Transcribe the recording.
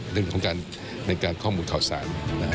เรื่องของการข้อมูลข่าวสาร